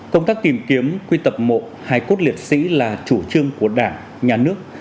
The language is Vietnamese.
công tác tìm kiếm quy tập mộ hài cốt liệt sĩ là chủ trương của đảng nhà nước